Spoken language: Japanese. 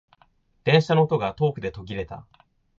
電車の音が遠くで途切れた。